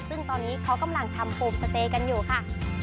ซึ่งตอนนี้เขากำลังทำโฮมสเตย์กันอยู่ค่ะ